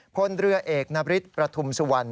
พลเรือเอกนบริษประทุมสุวรรณ